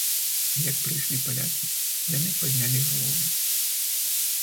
Як прыйшлі палякі, яны паднялі галовы.